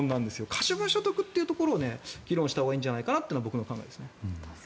可処分所得というところを議論したほうがいいんじゃないかなというのが僕の考えです。